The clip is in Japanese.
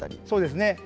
そうですね。